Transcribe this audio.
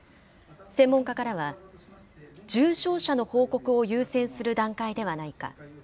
専門家からは、重症者の報告を優先する段階ではないか。